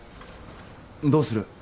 どうする？